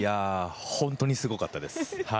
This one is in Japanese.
本当にすごかったです。